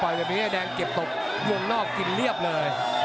ปล่อยแบบนี้ให้แดงเก็บตกวงรอบกินเรียบเลย